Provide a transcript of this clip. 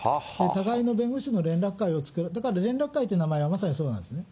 互いの弁護士の連絡会を作ろう、だから連絡会という名前がまさにそうなんですね。